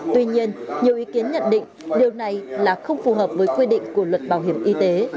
tuy nhiên nhiều ý kiến nhận định điều này là không phù hợp với quy định của luật bảo hiểm y tế